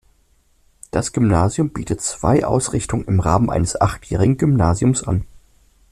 Das Gymnasium bietet zwei Ausrichtungen im Rahmen eines achtjährigen Gymnasiums an.